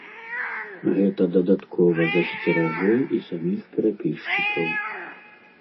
Гэта дадаткова засцеражэ і саміх перапісчыкаў.